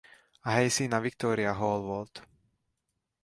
A helyszín a Victoria Hall volt.